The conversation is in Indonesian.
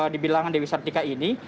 di bilangan dewi sertika ini